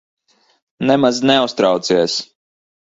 Nemaz neuztraucies.